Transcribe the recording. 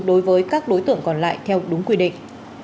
đối với các đối tượng còn lại theo đúng quy định